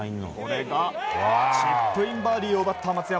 チップインバーディーを奪った松山。